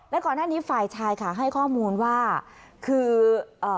และก่อนหน้านี้ฝ่ายชายค่ะให้ข้อมูลว่าคือเอ่อ